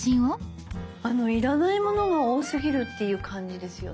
要らないものが多すぎるっていう感じですよね。